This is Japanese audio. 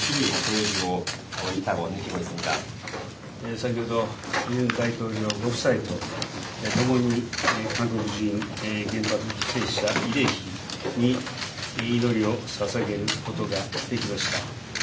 先ほど、ユン大統領ご夫妻と共に、韓国人原爆犠牲者慰霊碑に祈りをささげることができました。